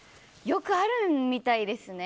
よくあるみたいですね。